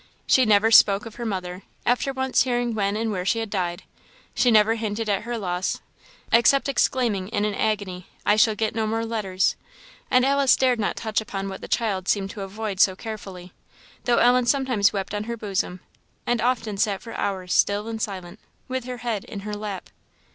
She never spoke of her mother, after once hearing when and where she had died; she never hinted at her loss, except exclaiming in an agony, "I shall get no more letters!" and Alice dared not touch upon what the child seemed to avoid so carefully: though Ellen sometimes wept on her bosom, and often sat for hours still and silent, with her head in her lap.